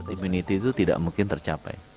immunity itu tidak mungkin tercapai